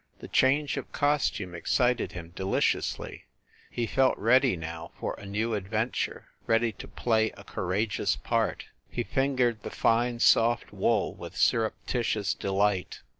The change of costume excited him deliciously he felt ready, now, for a new adventure, ready to play a courageous part. He fingered the fine, soft wool with surreptitious delight.